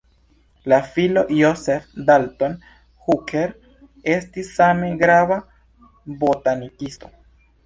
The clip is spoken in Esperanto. Lia filo Joseph Dalton Hooker estis same grava botanikisto.